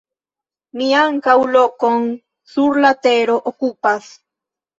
Mi ankaŭ lokon sur la tero okupas.